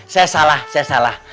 saya salah saya salah